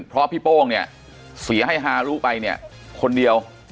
เพราะพี่โป้งเนี่ยเสียให้ฮารุไปเนี่ยคนเดียว